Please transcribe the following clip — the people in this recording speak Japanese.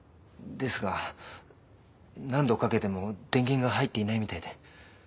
ですが何度かけても電源が入っていないみたいで。